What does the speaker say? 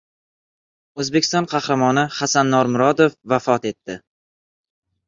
O‘zbekiston Qahramoni Hasan Normurodov vafot etdi